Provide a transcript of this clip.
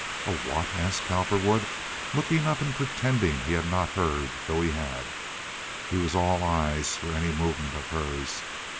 "A what?" asked Cowperwood, looking up and pretending he had not heard, though he had. He was all eyes for any movement of hers.